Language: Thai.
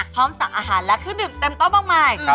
พร้อมสั่งอาหารแลกคืนอย่างเต็มต้นมากมาย